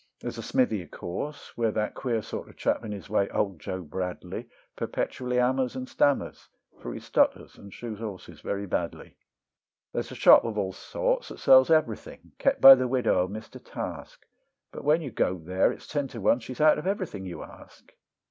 There's a smithy of course, where that queer sort of a chap in his way, Old Joe Bradley, Perpetually hammers and stammers, for he stutters and shoes horses very badly. There's a shop of all sorts that sells everything, kept by the widow of Mr. Task; But when you go there it's ten to one she's out of everything you ask.